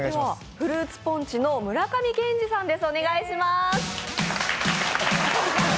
フルーツポンチの村上健志さんです。